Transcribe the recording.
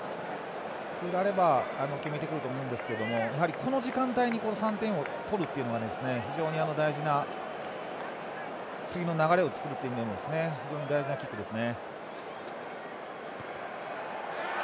普通であれば決めてくると思うんですけれどもやはり、この時間帯に３点を取るというので次の流れを作る意味でも非常に大事なキックですね。